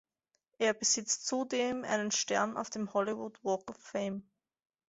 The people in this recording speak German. Er besitzt zudem einen Stern auf dem Hollywood Walk of Fame.